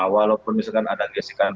walaupun misalkan ada gesekan